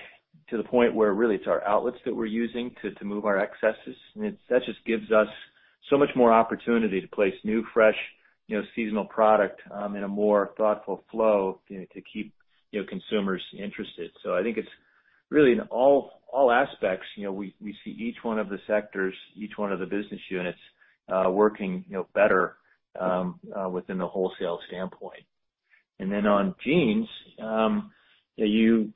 to the point where really it's our outlets that we're using to move our excesses. That just gives us so much more opportunity to place new, fresh, seasonal product in a more thoughtful flow to keep consumers interested. I think it's really in all aspects, we see each one of the sectors, each one of the business units, working better within the wholesale standpoint. On jeans, you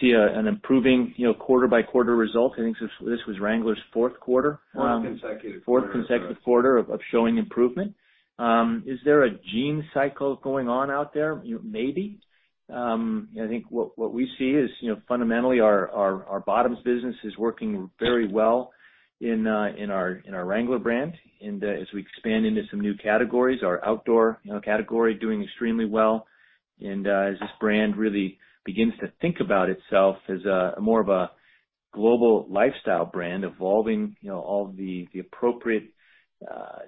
see an improving quarter by quarter result. I think this was Wrangler's fourth quarter. Fourth consecutive quarter. Fourth consecutive quarter of showing improvement. Is there a jean cycle going on out there? Maybe. I think what we see is, fundamentally, our bottoms business is working very well in our Wrangler brand. As we expand into some new categories, our outdoor category doing extremely well. As this brand really begins to think about itself as more of a global lifestyle brand, evolving all of the appropriate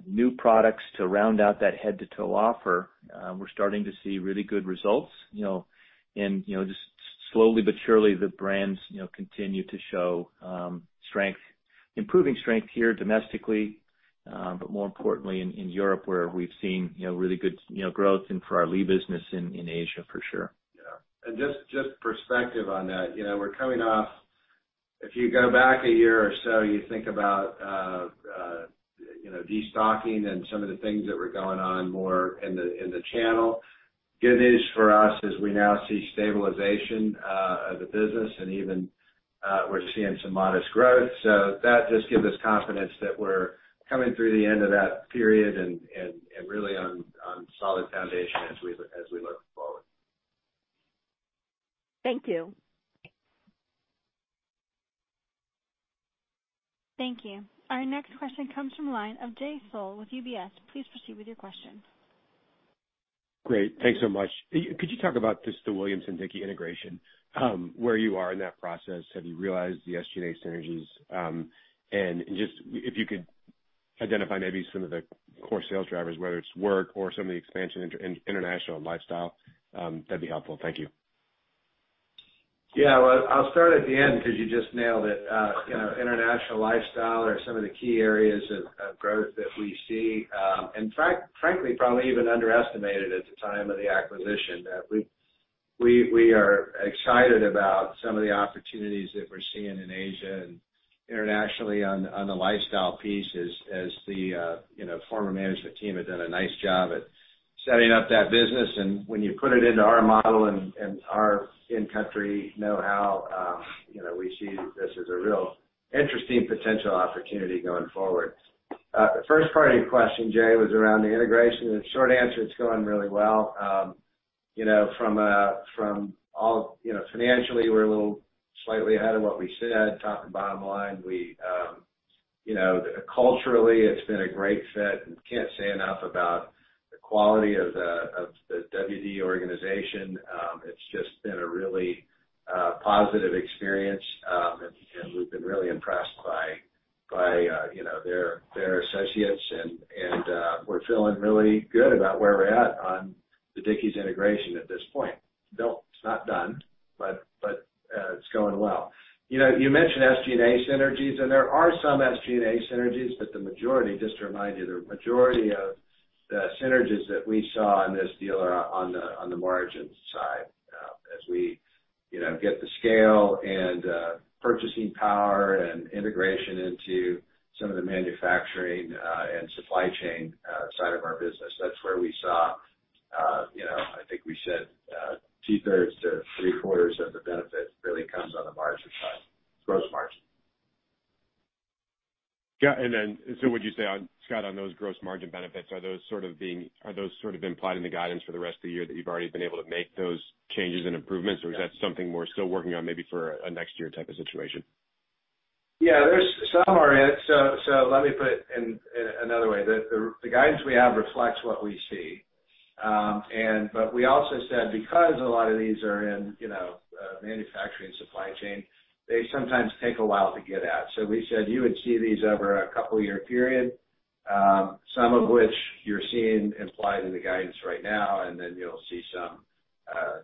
new products to round out that head to toe offer. We're starting to see really good results. Just slowly but surely, the brands continue to show strength, improving strength here domestically, but more importantly, in Europe, where we've seen really good growth and for our Lee business in Asia for sure. Yeah. Just perspective on that. We're coming off If you go back a year or so, you think about de-stocking and some of the things that were going on more in the channel. Good news for us is we now see stabilization of the business and even we're seeing some modest growth. That just gives us confidence that we're coming through the end of that period and really on solid foundation as we look forward. Thank you. Thank you. Our next question comes from the line of Jay Sole with UBS. Please proceed with your question. Great. Thanks so much. Could you talk about just the Williamson-Dickie integration, where you are in that process? Have you realized the SG&A synergies? And just if you could identify maybe some of the core sales drivers, whether it's work or some of the expansion into international and lifestyle, that'd be helpful. Thank you. Well, I'll start at the end because you just nailed it. International, lifestyle are some of the key areas of growth that we see. In fact, frankly, probably even underestimated at the time of the acquisition. We are excited about some of the opportunities that we're seeing in Asia and internationally on the lifestyle piece as the former management team had done a nice job at setting up that business. When you put it into our model and our in-country know-how, we see this as a real interesting potential opportunity going forward. The first part of your question, Jay, was around the integration, and the short answer, it's going really well. Financially, we're a little slightly ahead of what we said, top and bottom line. Culturally, it's been a great fit and can't say enough about the quality of the WD organization. It's just been a really positive experience, and we've been really impressed by their associates and we're feeling really good about where we're at on the Dickies integration at this point. No, it's not done, but it's going well. You mentioned SG&A synergies, and there are some SG&A synergies, but just to remind you, the majority of the synergies that we saw in this deal are on the margin side. As we get the scale and purchasing power and integration into some of the manufacturing and supply chain side of our business, that's where we saw, I think we said two-thirds to three-quarters of the benefit really comes on the margin side, gross margin. Got it. Would you say, Scott, on those gross margin benefits, are those sort of implied in the guidance for the rest of the year that you've already been able to make those changes and improvements? Yeah. Is that something more still working on maybe for a next year type of situation? Some are in it. Let me put it in another way. The guidance we have reflects what we see. We also said because a lot of these are in manufacturing supply chain, they sometimes take a while to get at. We said you would see these over a couple of year period, some of which you're seeing implied in the guidance right now, and then you'll see some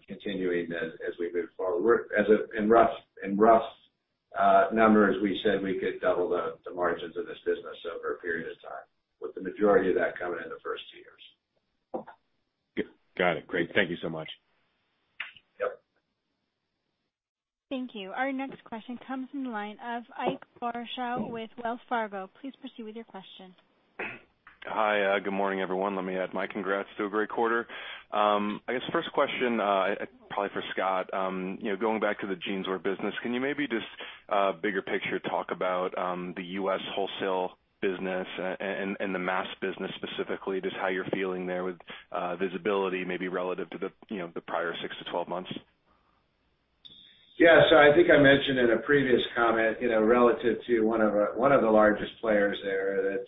continuing as we move forward. In rough numbers, we said we could double the margins of this business over a period of time, with the majority of that coming in the first two years. Got it. Great. Thank you so much. Yep. Thank you. Our next question comes from the line of Ike Boruchow with Wells Fargo. Please proceed with your question. Hi. Good morning, everyone. Let me add my congrats to a great quarter. I guess first question, probably for Scott. Going back to the jeans wear business, can you maybe just bigger picture talk about the U.S. wholesale business and the mass business specifically, just how you're feeling there with visibility, maybe relative to the prior six to 12 months? Yeah. I think I mentioned in a previous comment, relative to one of the largest players there that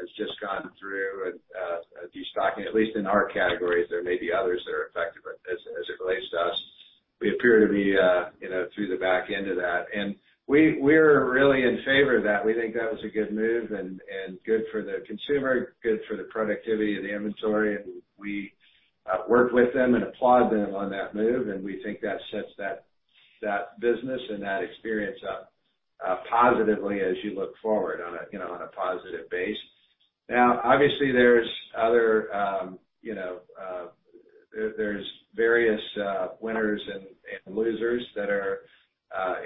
has just gone through a de-stocking, at least in our categories, there may be others that are affected, but as it relates to us, we appear to be through the back end of that. We're really in favor of that. We think that was a good move and good for the consumer, good for the productivity of the inventory, and we work with them and applaud them on that move, and we think that sets that business and that experience up positively as you look forward on a positive base. Obviously, there's various winners and losers that are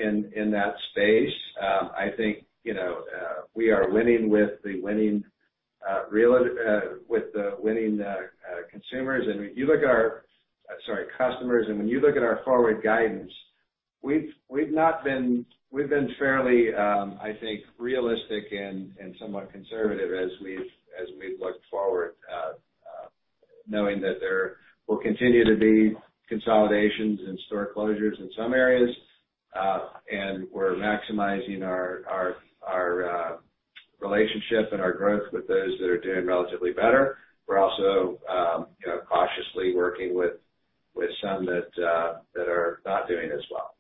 in that space. I think we are winning with the winning consumers. When you look at our customers, and when you look at our forward guidance, we've been fairly, I think, realistic and somewhat conservative as we've looked forward, knowing that there will continue to be consolidations and store closures in some areas, and we're maximizing our relationship and our growth with those that are doing relatively better. We're also cautiously working with some that are not doing as well.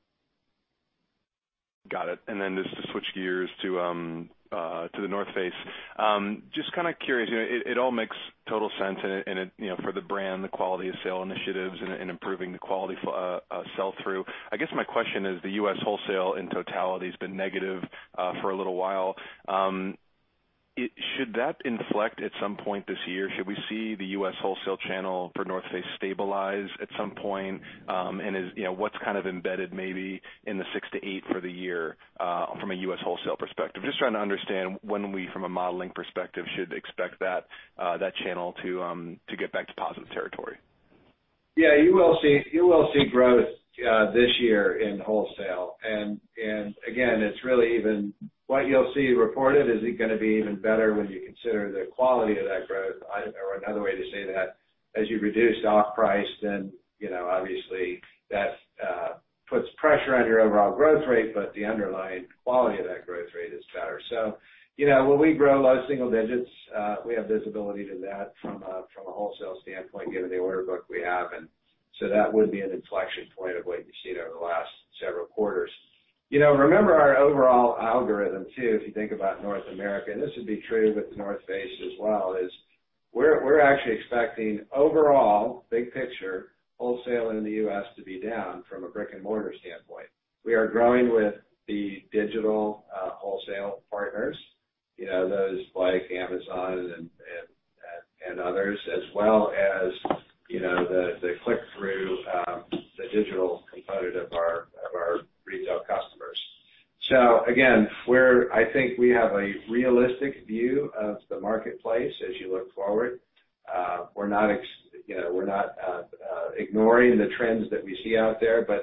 Got it. Just to switch gears to The North Face. Just kind of curious, it all makes total sense in it for the brand, the quality of sale initiatives, and improving the quality sell-through. I guess my question is, the U.S. wholesale in totality has been negative for a little while. Should that inflect at some point this year? Should we see the U.S. wholesale channel for The North Face stabilize at some point? What's embedded maybe in the six to eight for the year from a U.S. wholesale perspective? Just trying to understand when we, from a modeling perspective, should expect that channel to get back to positive territory. You will see growth this year in wholesale. Again, what you will see reported is it going to be even better when you consider the quality of that growth. Another way to say that, as you reduce off price, obviously that puts pressure on your overall growth rate, but the underlying quality of that growth rate is better. When we grow low single digits, we have visibility to that from a wholesale standpoint given the order book we have. That would be an inflection point of what you have seen over the last several quarters. Remember our overall algorithm too. If you think about North America, this would be true with The North Face as well, we are actually expecting overall, big picture, wholesaling in the U.S. to be down from a brick and mortar standpoint. We are growing with the digital wholesale partners, those like Amazon and others, as well as the click-through, the digital component of our retail customers. Again, I think we have a realistic view of the marketplace as you look forward. We are not ignoring the trends that we see out there, it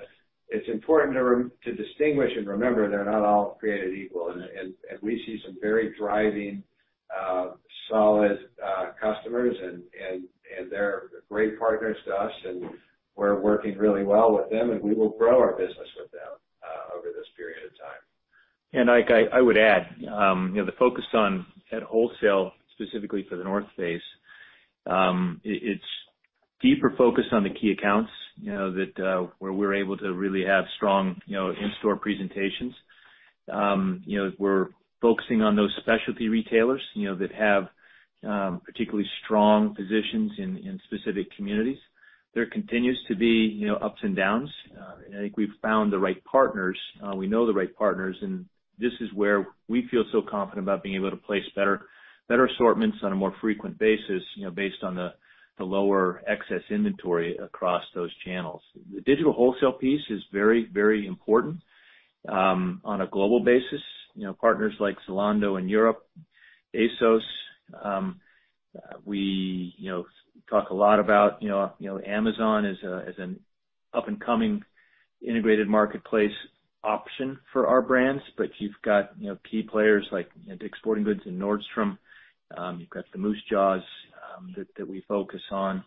is important to distinguish and remember, they are not all created equal. We see some very driving, solid customers and they are great partners to us, we are working really well with them, and we will grow our business with them over this period of time. I would add, the focus at wholesale, specifically for The North Face, it is deeper focus on the key accounts, where we are able to really have strong in-store presentations. We are focusing on those specialty retailers that have particularly strong positions in specific communities. There continues to be ups and downs. I think we have found the right partners. We know the right partners, this is where we feel so confident about being able to place better assortments on a more frequent basis based on the lower excess inventory across those channels. The digital wholesale piece is very important on a global basis. Partners like Zalando in Europe, ASOS. We talk a lot about Amazon as an up and coming integrated marketplace option for our brands. You have key players like Dick's Sporting Goods and Nordstrom. You have the Moosejaw's that we focus on.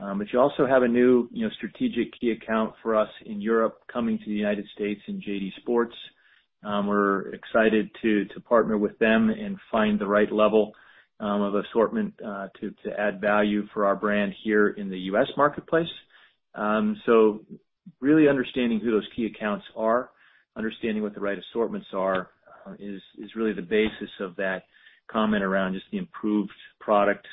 You also have a new strategic key account for us in Europe coming to the U.S. in JD Sports. We are excited to partner with them and find the right level of assortment to add value for our brand here in the U.S. marketplace. Really understanding who those key accounts are, understanding what the right assortments are is really the basis of that comment around just the improved product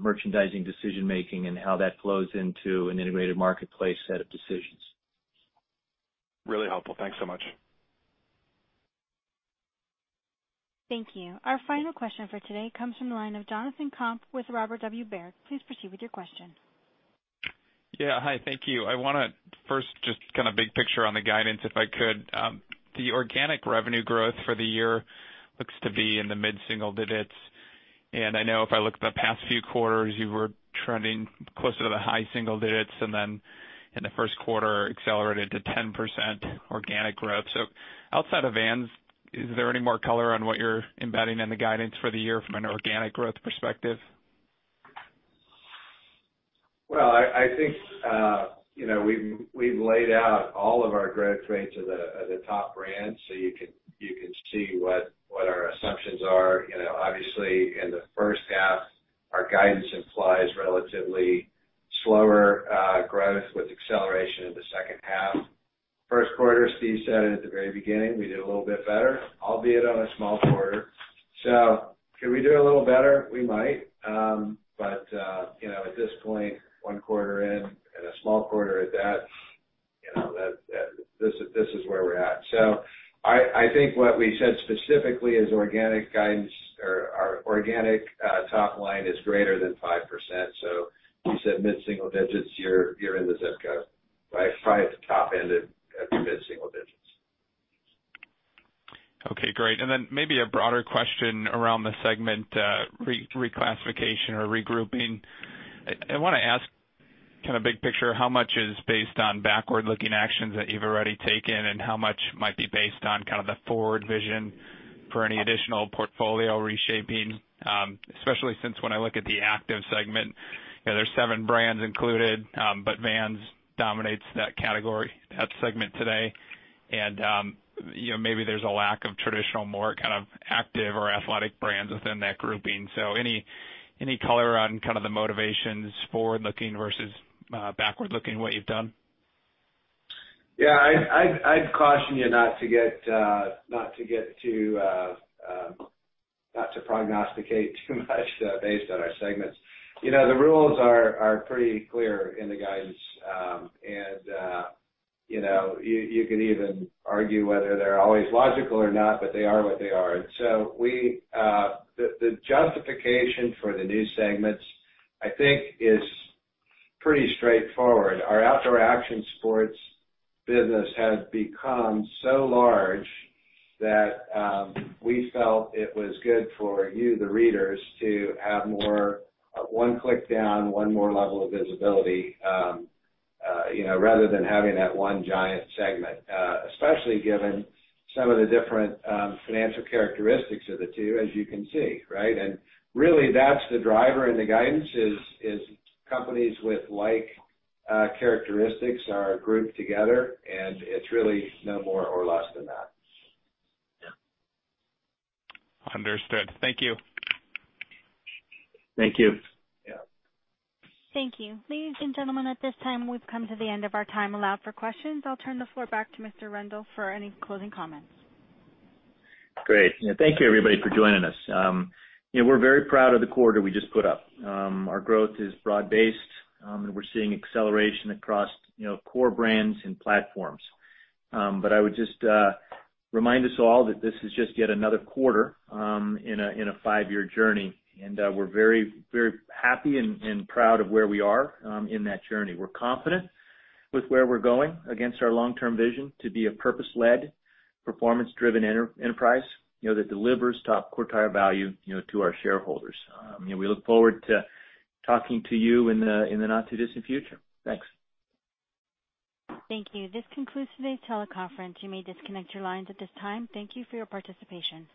merchandising decision making and how that flows into an integrated marketplace set of decisions. Really helpful. Thanks so much. Thank you. Our final question for today comes from the line of Jonathan Komp with Robert W. Baird. Please proceed with your question. Yeah. Hi, thank you. I want to first just big picture on the guidance, if I could. The organic revenue growth for the year looks to be in the mid single digits. I know if I look at the past few quarters, you were trending closer to the high single digits, and then in the first quarter accelerated to 10% organic growth. Outside of Vans, is there any more color on what you're embedding in the guidance for the year from an organic growth perspective? Well, I think we've laid out all of our growth rates of the top brands so you can see what our assumptions are. Obviously, in the first half, our guidance implies relatively slower growth with acceleration in the second half. First quarter, Steve said it at the very beginning, we did a little bit better, albeit on a small quarter. Can we do a little better? We might. At this point, one quarter in and a small quarter at that, this is where we're at. I think what we said specifically is organic guidance or our organic top line is greater than 5%. You said mid single digits. You're in the zip code by probably at the top end of the mid single digits. Okay, great. Maybe a broader question around the segment reclassification or regrouping. I want to ask big picture, how much is based on backward looking actions that you've already taken, and how much might be based on the forward vision for any additional portfolio reshaping? Especially since when I look at the Active Segment, there's seven brands included. Vans dominates that category, that segment today. Maybe there's a lack of traditional, more active or athletic brands within that grouping. Any color on the motivations forward looking versus backward looking what you've done? Yeah. I'd caution you not to prognosticate too much based on our segments. The rules are pretty clear in the guidance. You could even argue whether they're always logical or not, but they are what they are. The justification for the new segments, I think, is pretty straightforward. Our outdoor action sports business has become so large that we felt it was good for you, the readers, to have more one click down, one more level of visibility rather than having that one giant segment, especially given some of the different financial characteristics of the two, as you can see, right? Really that's the driver in the guidance is companies with like characteristics are grouped together, and it's really no more or less than that. Understood. Thank you. Thank you. Yeah. Thank you. Ladies and gentlemen, at this time, we've come to the end of our time allowed for questions. I'll turn the floor back to Mr. Rendle for any closing comments. Great. Thank you everybody for joining us. We're very proud of the quarter we just put up. Our growth is broad-based. We're seeing acceleration across core brands and platforms. I would just remind us all that this is just yet another quarter in a five-year journey. We're very happy and proud of where we are in that journey. We're confident with where we're going against our long-term vision to be a purpose-led, performance-driven enterprise that delivers top quartile value to our shareholders. We look forward to talking to you in the not too distant future. Thanks. Thank you. This concludes today's teleconference. You may disconnect your lines at this time. Thank you for your participation.